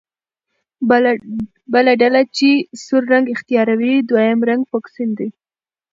بله ډله چې سور رنګ اختیاروي دویم رنګ فوکسین دی.